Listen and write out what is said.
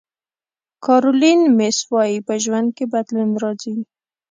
کارولین میس وایي په ژوند کې بدلون راځي.